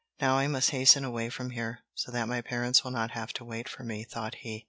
"Now I must hasten away from here, so that my parents will not have to wait for me," thought he.